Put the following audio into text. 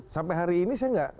sampai hari ini saya nggak